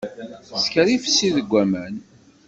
Sskeṛ ifessi deg aman.